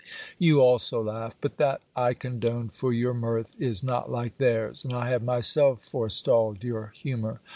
You also laugh, but that I condone, for your mirth is not like theirs, and I have myself forestalled your humour.